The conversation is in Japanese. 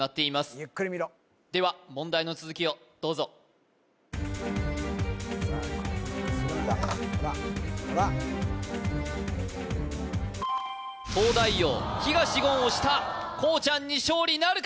ゆっくり見ろでは問題の続きをどうぞ東大王東言押したこうちゃんに勝利なるか？